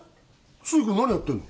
杉君何やってんの？